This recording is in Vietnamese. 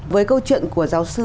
với câu chuyện của giáo sư